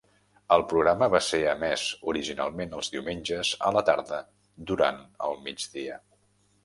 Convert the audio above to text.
El programa va ser emès originalment els diumenges a la tarda durant el migdia.